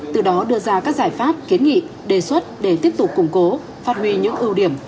từ đó đưa ra các giải pháp kiến nghị đề xuất để tiếp tục củng cố phát huy những ưu điểm